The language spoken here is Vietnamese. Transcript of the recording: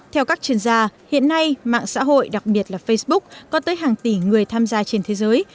theo các chuyên gia hiện nay mạng xã hội đặc biệt là facebook có tới hàng tỷ người tham gia trên thế giới